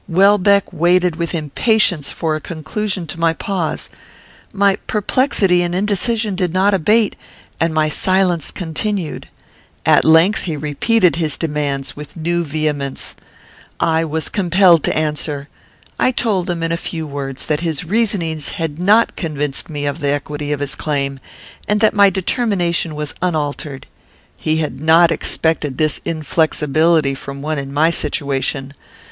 Welbeck waited with impatience for a conclusion to my pause. My perplexity and indecision did not abate, and my silence continued. At length, he repeated his demands, with new vehemence. I was compelled to answer. I told him, in few words, that his reasonings had not convinced me of the equity of his claim, and that my determination was unaltered. He had not expected this inflexibility from one in my situation.